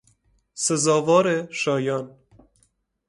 سزاوار شایان